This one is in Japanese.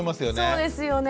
そうですよね。